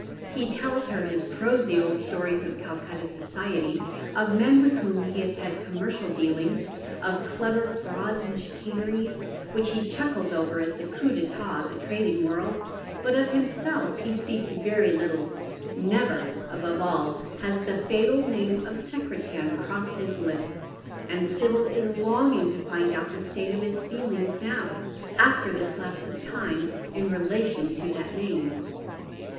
He tells her his prosy old stories of Calcutta society, of men with whom he has had commercial dealings, of clever fraudg and chicaneries which he chuckles over as tlie coups d'etat of the trading world, bat of himself he speaks vcrj^ little. Never, above all, has the fatal name of Secretan crossed Ids lips ; and Sibyl in longing to find out the state of his feelings now, after this lapse of time, in relation to that name.